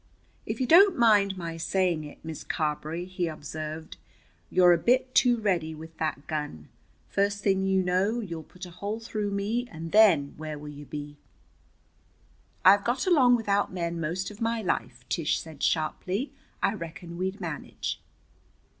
"If you don't mind my saying it, Miss Carberry," he observed, "you're a bit too ready with that gun. First thing you know you'll put a hole through me, and then where will you be?" "I've got along without men most of my life," Tish said sharply. "I reckon we'd manage."